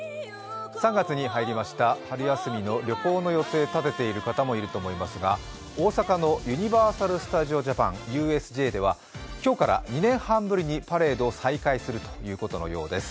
３月に入りました春休みの旅行の予定を立てている方もいらっしゃると思いますが大阪のユニバーサル・スタジオ・ジャパン、ＵＳＪでは今日から２年半ぶりにパレードを再開するということのようです。